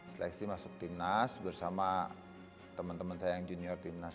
seleksi masuk timnas bersama teman teman saya yang junior timnas